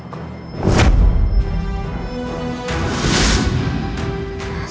aku tidak mau mengganti pakaianku